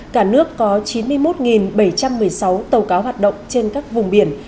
cả nước có chín mươi một bảy trăm một mươi sáu dịch bệnh